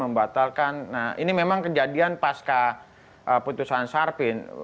nah ini memang kejadian pas ke putusan sarpin